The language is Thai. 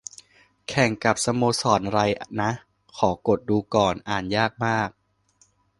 แข่งกับสโมสรไรนะ ขอกดดูก่อน อ่านยากมาก